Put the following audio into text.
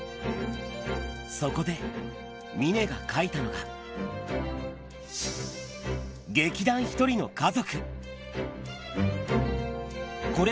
そこで、峰が描いたのが、劇団ひとりの家族。